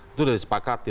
itu sudah disepakati